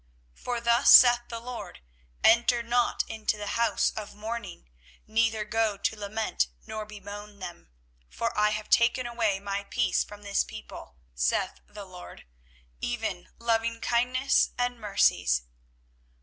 24:016:005 For thus saith the LORD, Enter not into the house of mourning, neither go to lament nor bemoan them: for I have taken away my peace from this people, saith the LORD, even lovingkindness and mercies.